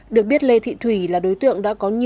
được biết lê thị thủy là đối tượng đoàn trái phép chất ma túy